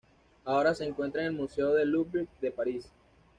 Ahora se encuentra en el Museo del Louvre de París.